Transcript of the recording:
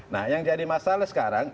nah yang jadi masalah sekarang